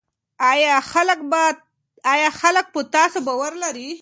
آیا خلک په تاسو باور لري؟